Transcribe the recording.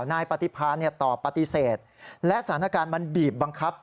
นายปฏิพาตอบปฏิเสธและสถานการณ์มันบีบบังคับ